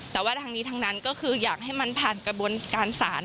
แต่ว่าทั้งนี้ทั้งนั้นก็คืออยากให้มันผ่านกระบวนการศาล